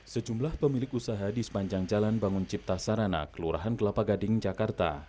sejumlah pemilik usaha di sepanjang jalan bangun cipta sarana kelurahan kelapa gading jakarta